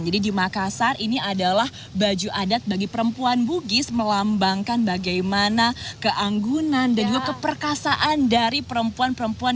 jadi di makassar ini adalah baju adat bagi perempuan bugis melambangkan bagaimana keanggunan dan juga keperkasaan dari perempuan perempuan